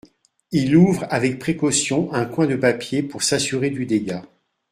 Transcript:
Il ouvre avec précaution un coin de papier pour s’assurer du dégât.